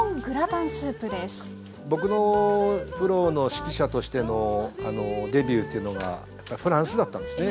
僕のプロの指揮者としてのデビューというのがフランスだったんですね。